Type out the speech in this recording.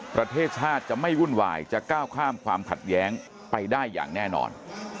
ประเทศชาติจะไม่วุ่นวายจะก้าวข้ามความขัดแย้งไปได้อย่างแน่นอน